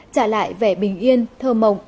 trả lại vẻ bình yên thơm mộng